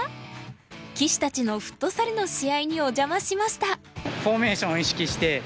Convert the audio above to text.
棋士たちのフットサルの試合にお邪魔しました。